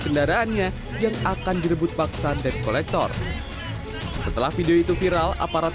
kendaraannya yang akan direbut paksa dep kolektor setelah video itu viral aparat